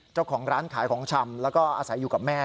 เจ้าของร้านขายของชำแล้วก็อาศัยอยู่กับแม่